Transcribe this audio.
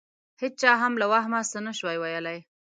هېچا هم له وهمه څه نه شوای ویلای.